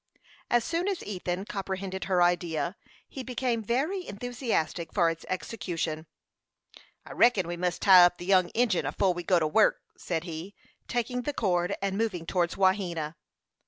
As soon as Ethan comprehended her idea, he became very enthusiastic for its execution. "I reckon we must tie up the young Injin afore we go to work," said he, taking the cord, and moving towards Wahena.